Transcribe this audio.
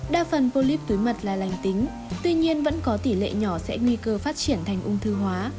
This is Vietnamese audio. đa phần polyp túi mật là lành tính tuy nhiên vẫn có tỷ lệ nhỏ sẽ nguy cơ phát triển thành ung thư hóa